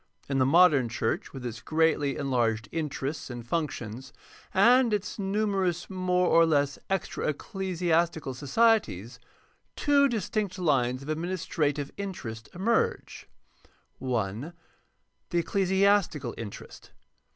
In the modern church, with its greatly PR.\CTICAL THEOLOGY 595 enlarged interests and functions, and its numerous more or less extra ecclesiastical societies, two distinct lines of adminis trative interest emerge: 1. The ecclesiastical interest.